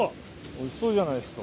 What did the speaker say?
おいしそうじゃないですか。